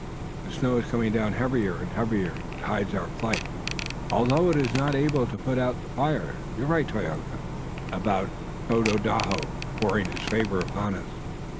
The snow is coming down heavier and heavier and it hides our flight, although it is not able to put out the fires. You're right, Tayoga, about Tododaho pouring his favor upon us."